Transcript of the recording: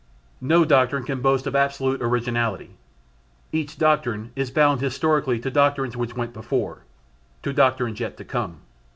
No doctrine can boast of absolute "originality." Each doctrine is bound historically to doctrines which went before, to doctrines yet to come.